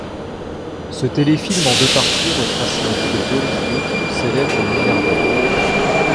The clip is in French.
Ce téléfilm en deux parties retrace la vie de Doris Duke, célèbre milliardaire.